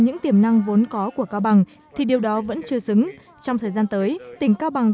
những tiềm năng vốn có của cao bằng thì điều đó vẫn chưa xứng trong thời gian tới tỉnh cao bằng